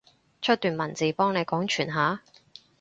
出段文字，幫你廣傳下？